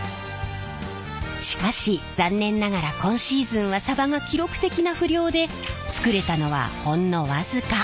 しかし残念ながら今シーズンはさばが記録的な不漁で作れたのはほんの僅か。